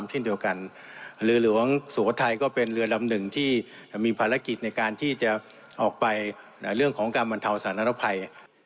หรือหลวงสวทัยก็เป็นเรือลำหนึ่งที่มีภารกิจในการที่จะออกไปเรื่องของการบรรเทาสนภัย